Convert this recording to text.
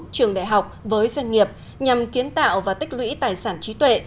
trường đại học với doanh nghiệp nhằm kiến tạo và tích lũy tài sản trí tuệ